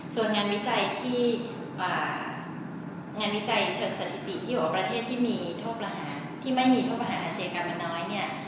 ส่วนงานวิจัยเฉินสถิติที่บอกว่าประเทศที่มีโทษประหารที่ไม่มีโทษประหารอาชีพกรรมน้อย